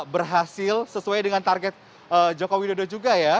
berhasil sesuai dengan target joko widodo juga ya